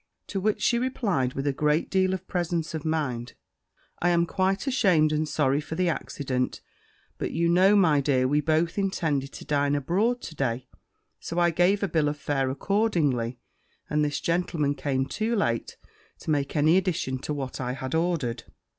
To which she replied, with a great presence of mind, 'I am quite ashamed and sorry for the accident; but you know, my dear, we both intended to dine abroad to day, so I gave a bill of fare accordingly; and this gentleman came too late to make any addition to what I had ordered.'